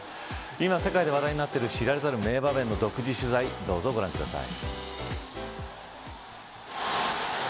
今、話題になっている世界の名場面の独自取材どうぞご覧ください。